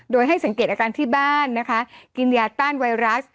โดยให้สังเกตอาการที่บ้านนะคะกินยาต้านไวรัส